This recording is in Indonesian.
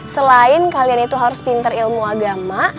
selain kalian itu harus pinter ilmu agama